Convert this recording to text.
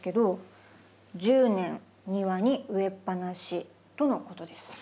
１０年庭に植えっぱなしとのことです。